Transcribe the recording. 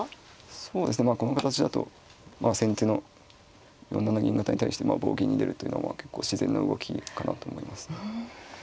そうですねまあこの形だと先手の４七銀型に対して棒銀に出るというのは結構自然な動きかなと思います。